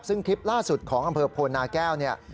ซึ่งคลิปล่าสุดของอำเภอโพนาแก้วเนี่ย